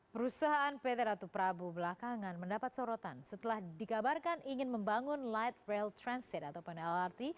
perusahaan pt ratu prabu belakangan mendapat sorotan setelah dikabarkan ingin membangun light rail transit ataupun lrt